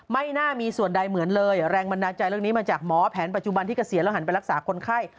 ไม่น่ามีส่วนใดเหมือนเลยแรงบันดาลใจเรื่องนี้มาจากหมอแผนปัจจุบันที่เกษียณแล้วหันไปรักษาคนไข้